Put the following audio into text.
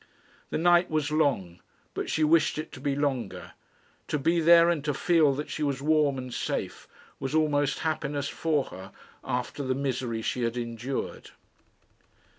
The night was long, but she wished it to be longer. To be there and to feel that she was warm and safe was almost happiness for her after the misery she had endured.